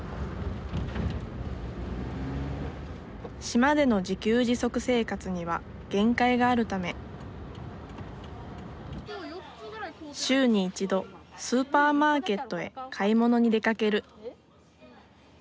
島での自給自足生活には限界があるため週に１度スーパーマーケットへ買い物に出かける。